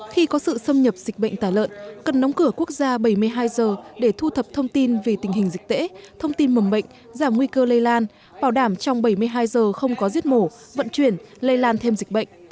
khi có sự xâm nhập dịch bệnh tả lợn cần nóng cửa quốc gia bảy mươi hai giờ để thu thập thông tin về tình hình dịch tễ thông tin mầm bệnh giảm nguy cơ lây lan bảo đảm trong bảy mươi hai giờ không có giết mổ vận chuyển lây lan thêm dịch bệnh